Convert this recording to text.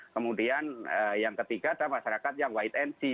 kemudian yang ketiga ada masyarakat yang white and see